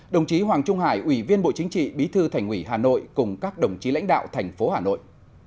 đồng chí hoàng trung hải ủy viên bộ chính trị bí thư thành ủy hà nội cùng các đồng chí lãnh đạo thành phố hà nội